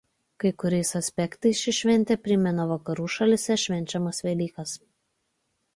Kai kuriais aspektais ši šventė primena vakarų šalyse švenčiamas Velykas.